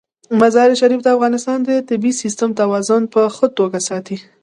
مزارشریف د افغانستان د طبعي سیسټم توازن په ښه توګه ساتي.